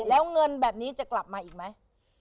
แล้วเงินแบบนี้จะกลับมาอีกไหม